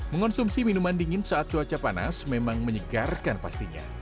mengonsumsi minuman dingin saat cuaca panas memang menyegarkan pastinya